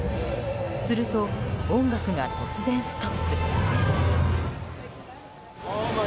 すると、音楽が突然ストップ。